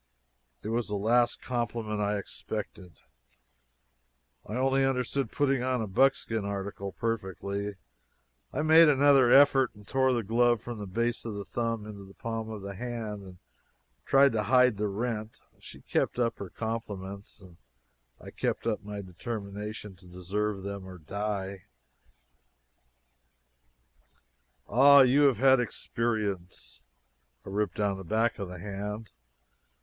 It was the last compliment I had expected. I only understand putting on the buckskin article perfectly. I made another effort and tore the glove from the base of the thumb into the palm of the hand and tried to hide the rent. She kept up her compliments, and I kept up my determination to deserve them or die: "Ah, you have had experience! [A rip down the back of the hand.